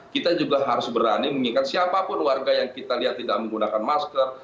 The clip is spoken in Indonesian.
kita juga harus berani mengingat siapapun warga yang kita lihat tidak menggunakan masker